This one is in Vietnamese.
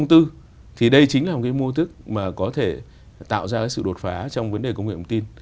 thì đây chính là một cái mô thức mà có thể tạo ra cái sự đột phá trong vấn đề công nghệ thông tin